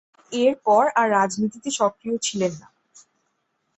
এর পর আর রাজনীতিতে সক্রিয় ছিলেন না।